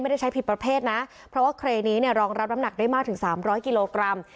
ได้ใช้ผิดประเภทนะเพราะว่าเครนนี้เนี่ยรองรับน้ำหนักได้มากถึง๓๐๐กิโลกรัม